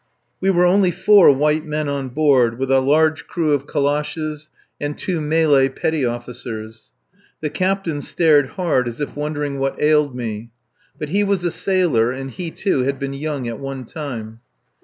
We were only four white men on board, with a large crew of Kalashes and two Malay petty officers. The Captain stared hard as if wondering what ailed me. But he was a sailor, and he, too, had been young at one time.